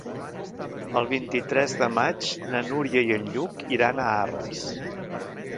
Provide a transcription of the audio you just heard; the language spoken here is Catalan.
El vint-i-tres de maig na Núria i en Lluc iran a Arres.